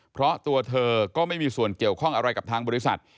เพราะตัวเธอก็ไม่มีส่วนเกี่ยวข้องอะไรกับทางบริษัท